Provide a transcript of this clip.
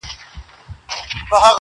چي یې لاره کي پیدا وږی زمری سو!